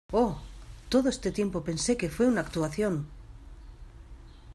¡ Oh, todo este tiempo pensé que fue una actuación!